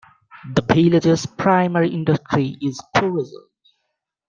The village's primary industry is tourism.